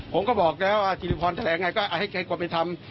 ผมก็บอกแล้วจุฬิพรแทรกไงก็ให้กรมไปทำ